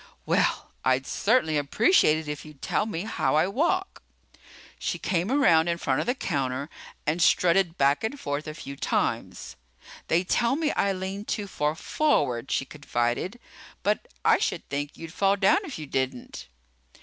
"Well, I'd certainly appreciate it if you'd tell me how I walk." She came around in front of the counter and strutted back and forth a few times. "They tell me I lean too far forward," she confided. "But I should think you'd fall down if you didn't."